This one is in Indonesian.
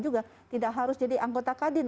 juga tidak harus jadi anggota kadin